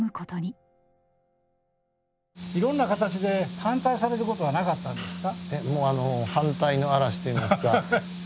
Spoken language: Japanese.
いろんな形で反対されることはなかったんですか？